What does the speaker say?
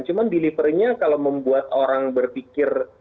cuma deliver nya kalau membuat orang berpikir